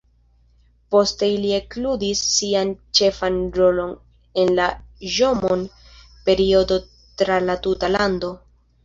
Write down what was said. Poste ili ekludis sian ĉefan rolon en la Ĵomon-periodo tra la tuta lando.